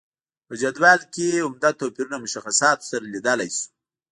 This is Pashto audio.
په جدول کې عمده توپیرونه مشخصاتو سره لیدلای شو.